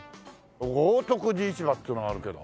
「豪徳寺市場」っていうのがあるけど。